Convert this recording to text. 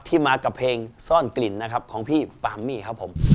มากับเพลงซ่อนกลิ่นนะครับของพี่ปามมี่ครับผม